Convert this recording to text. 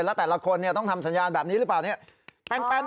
แล้วแต่ละคนต้องทำสัญญาณแบบนี้หรือเปล่าเนี่ย